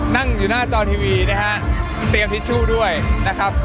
นั่งอยู่หน้าจอทีวีนะครับเตรียมนาธิสช่วงด้วยนะครับ